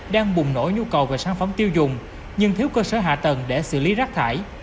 đang bùng nổi nhu cầu về sản phẩm tiêu dùng nhưng thiếu cơ sở hạ tầng để xử lý rác thải